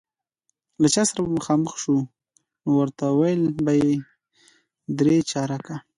له چا سره به مخامخ شو، نو ورته ویل به یې درې چارکه.